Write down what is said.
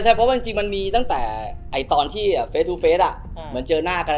ใช่เพราะว่าจริงมันมีตั้งแต่ตอนที่เฟสทุกเฟสเหมือนเจอหน้ากัน